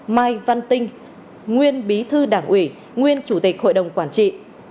mai văn tinh nguyên bí thư đảng ủy nguyên chủ tịch hội đồng quản trị